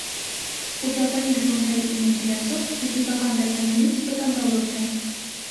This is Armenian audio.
Խուճապային գրոհները իրենք իրենցով ֆիզիկական տեսանկյունից վտանգավոր չեն։